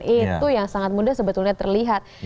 itu yang sangat mudah sebetulnya terlihat